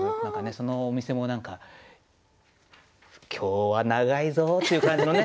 そのお店も何か「今日は長いぞ！」っていう感じのね